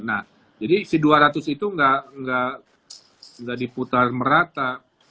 nah jadi si dua ratus itu nggak diputar merata